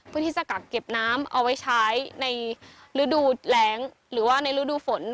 ที่จะกักเก็บน้ำเอาไว้ใช้ในฤดูแรงหรือว่าในฤดูฝน